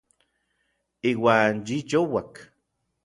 Iuan yi youak.